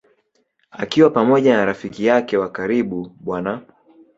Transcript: Akiwa pamoja na rafiki yake wa karibu Bw.